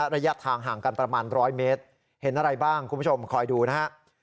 ระยะทางห่างกันประมาณ๑๐๐เมตรเห็นอะไรบ้างคุณผู้ชมคอยดูนะฮะ